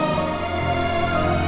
aku mau makan